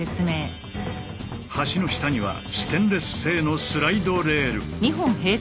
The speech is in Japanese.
橋の下にはステンレス製のスライドレール。